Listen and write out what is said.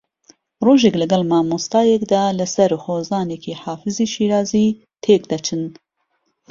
ڕۆژێک لەگەڵ مامۆستاکەیدا لەسەر ھۆزانێکی حافزی شیرازی تێکدەچن